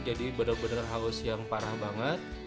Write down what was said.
jadi bener bener haus yang parah banget